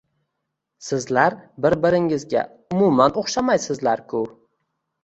Sizlar bir-birlaringizga umuman o`xshamaysizlar-ku